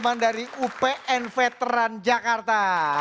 teman dari upn veteran jakarta